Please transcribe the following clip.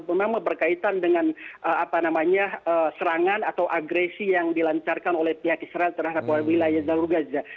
memang berkaitan dengan serangan atau agresi yang dilancarkan oleh pihak israel terhadap wilayah jalur gaza